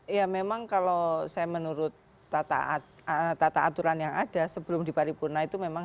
ya memang kalau saya menurut tata aturan yang ada sebelum di paripurna itu memang